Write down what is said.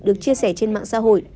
được chia sẻ trên mạng xã hội